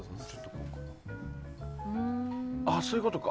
そういうことか！